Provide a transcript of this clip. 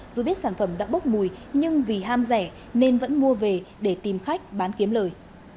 dù biết sản phẩm đã bốc mùi nhưng vì ham rẻ nên vẫn mua về để tìm khách bán kiếm lời